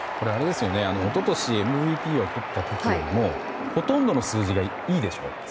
一昨年ＭＶＰをとった時よりもほとんどの数字がいいでしょ？